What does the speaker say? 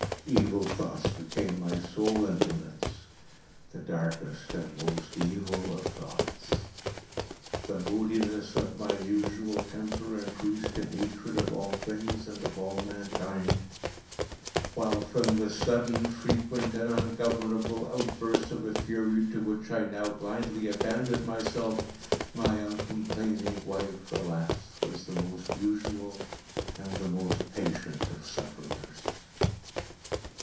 Evil thoughts became my sole intimates—the darkest and most evil of thoughts. The moodiness of my usual temper increased to hatred of all things and of all mankind; while, from the sudden, frequent, and ungovernable outbursts of a fury to which I now blindly abandoned myself, my uncomplaining wife, alas, was the most usual and the most patient of sufferers.